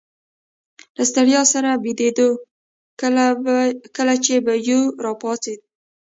له ستړیا سره بیدېدو، کله چي به یو راپاڅېد.